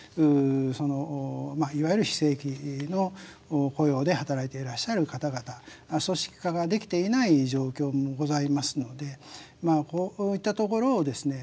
そのまあいわゆる非正規の雇用で働いていらっしゃる方々組織化ができていない状況もございますのでまあこういったところをですね